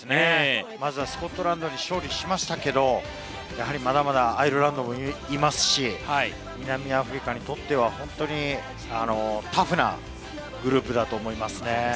スコットランドに勝利しましたけれど、まだまだアイルランドもいますし、南アフリカにとっては本当にタフなグループだと思いますね。